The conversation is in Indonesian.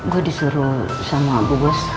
gue disuruh sama bu bos